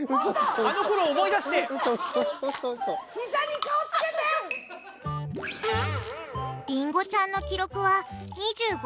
りんごちゃんの記録は２５ｃｍ。